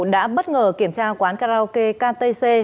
đã bất ngờ kiểm tra quán karaoke ktc